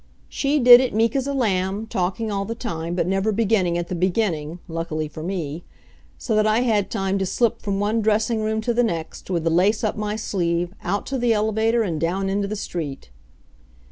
She did it meek as a lamb, talking all the time, but never beginning at the beginning luckily for me. So that I had time to slip from one dressing room to the next, with the lace up my sleeve, out to the elevator, and down into the street.